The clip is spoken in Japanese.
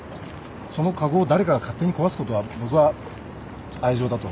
その籠を誰かが勝手に壊すことは僕は愛情だとは思わない。